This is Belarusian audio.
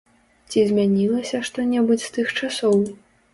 Ці змянілася што-небудзь з тых часоў?